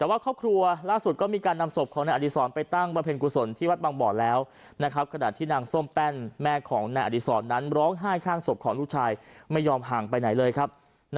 แต่ว่าครอบครัวล่าสุดก็มีการนำศพของแนวอดิษรไปตั้งบรรเภนครับ